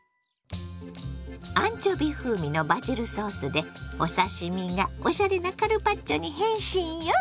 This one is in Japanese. アンチョビ風味のバジルソースでお刺身がおしゃれなカルパッチョに変身よ！